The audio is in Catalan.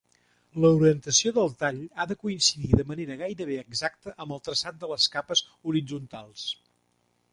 L'orientació del tall ha de coincidir de manera gairebé exacta amb el traçat de les capes horitzontals.